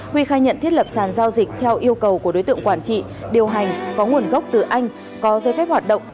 huy khai nhận thiết lập sàn giao dịch theo yêu cầu của đối tượng quản trị điều hành có nguồn gốc từ anh có dây phép hoạt động